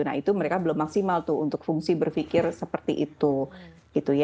nah itu mereka belum maksimal tuh untuk fungsi berpikir seperti itu gitu ya